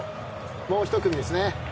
もう１組ですね。